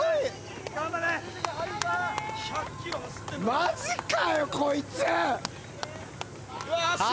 マジかよこいつ！